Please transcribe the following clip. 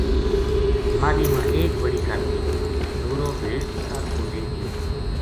ماہلی ما ایک بڑی سر تھی نُورو بھیڈ سر پو لے گیو